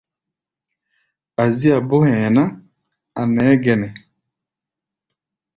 Azía bó hɛ̧ɛ̧ ná, a̧ nɛɛ́ gɛnɛ.